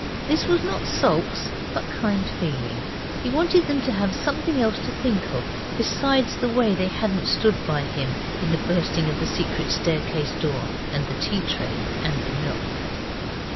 This was not sulks, but kind feeling. He wanted them to have something else to think of besides the way they hadn't stood by him in the bursting of the secret staircase door and the tea tray and the milk.